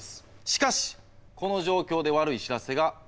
しかしこの状況で悪い知らせが届きます。